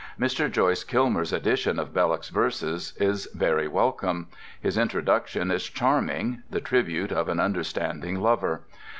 Mr. Joyce Kilmer's edition of Belloc's verses is very welcome.[C] His introduction is charming: the tribute of an understanding lover.